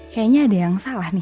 kayaknya ada yang salah nih